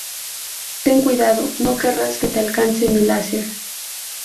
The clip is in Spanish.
Ten cuidado. No querrás que te alcance mi láser.